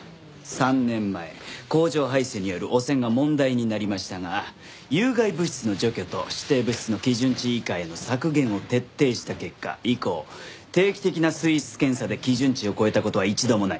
３年前工場排水による汚染が問題になりましたが有害物質の除去と指定物質の基準値以下への削減を徹底した結果以降定期的な水質検査で基準値を超えた事は一度もない。